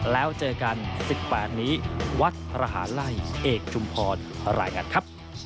แล้วเจอกัน๑๘นี้วัดพระหาลัยเอกชุมพรรายงานครับ